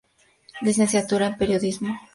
Licenciatura en Periodismo.